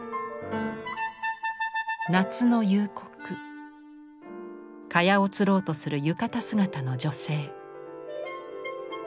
夏の夕刻蚊帳をつろうとする浴衣姿の女性。